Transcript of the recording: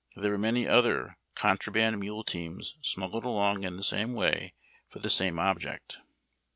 Tliere were many other "contraband" mule teams smug gled along in the same way for the same object.